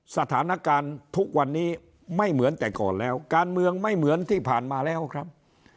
สถานการณ์ทุกวันนี้ไม่เหมือนแต่ก่อนแล้วการเมืองไม่เหมือนที่ผ่านมาแล้วครับ